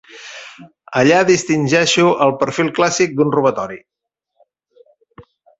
Allà distingeixo el perfil clàssic d'un robatori.